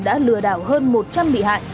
đã lừa đảo hơn một trăm linh bị hại